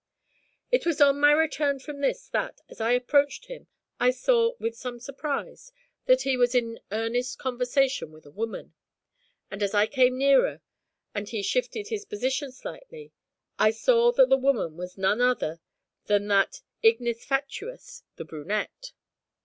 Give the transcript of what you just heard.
It was on my return from this that, as I approached him, I saw, with some surprise, that he was in earnest conversation with a woman, and as I came nearer and he shifted his position slightly, I saw that the woman was none other than that ignis fatuus the brunette.